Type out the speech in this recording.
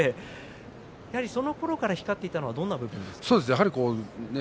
そのころから光っていたのはどんなところですか。